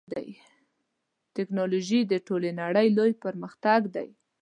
ټکنالوژي د ټولې نړۍ لوی پرمختګ دی.